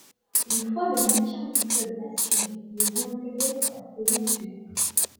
Une fois le maintien du club assuré, il est réintégré pour la saison suivante.